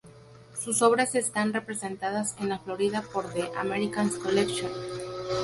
Sus obras están representadas en la Florida por The Americas Collection.